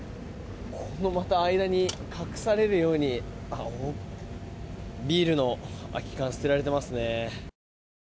この間に隠されるようにビールの空き缶捨てられていますね。